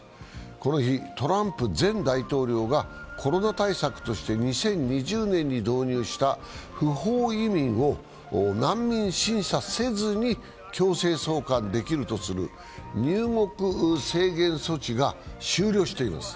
この日トランプ前大統領がコロナ対策として２０２０年に導入した不法移民を難民審査せずに強制送還できるとする入国制限措置が終了しています。